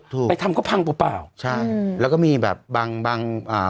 ไปทำก็พังเปล่าเปล่าใช่แล้วก็มีแบบบางบางอ่า